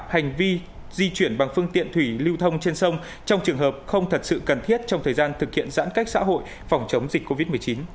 hành vi di chuyển bằng phương tiện thủy lưu thông trên sông trong trường hợp không thật sự cần thiết trong thời gian thực hiện giãn cách xã hội phòng chống dịch covid một mươi chín